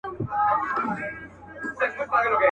چي امیر خلک له ځانه وه شړلي.